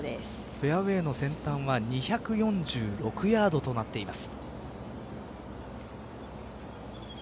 フェアウエーの先端は２４６ヤードとなっています。